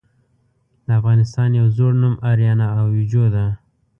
د افغانستان يو ﺯوړ نوم آريانا آويجو ده .